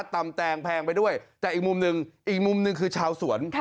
ตำแตงแพงไปด้วยแต่อีกมุมหนึ่งอีกมุมหนึ่งคือชาวสวน